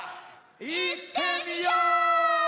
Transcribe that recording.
いってみよう！